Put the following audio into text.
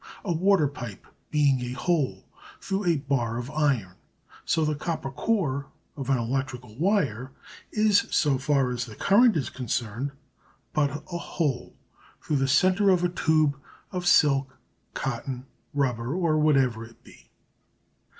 A water pipe being a hole through a bar of iron, so the copper core of an electrical wire is, so far as the current is concerned, but a hole through the centre of a tube of silk, cotton, rubber or whatever it be.